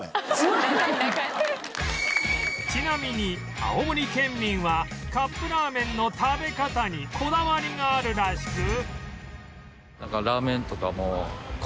ちなみに青森県民はカップラーメンの食べ方にこだわりがあるらしく